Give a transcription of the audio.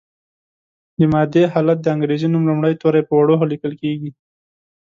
د مادې حالت د انګریزي نوم لومړي توري په وړو لیکل کیږي.